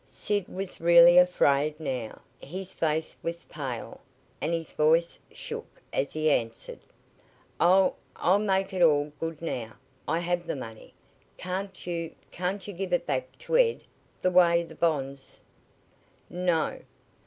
Sid was really afraid now. His face was pale, and his voice shook as he answered: "I'll I'll make it all good now. I have the money. Can't you can't you give it back to Ed, the way the bonds " "No!"